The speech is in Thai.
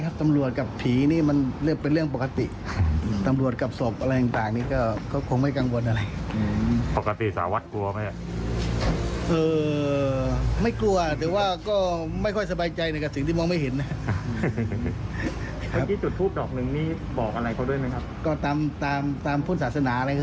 ก็ตามพุทธศาสนาอะไร